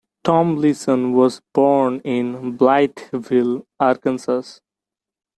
Tomlinson was born in Blytheville, Arkansas.